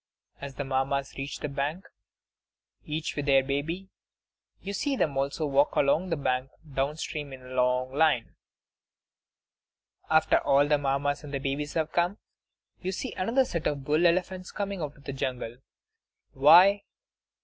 As the Mammas reach the bank, each with her baby, you see them also walk along the bank down stream in a long line. After all the Mammas and babies have come, you see another set of bull elephants coming out of the jungle. Why?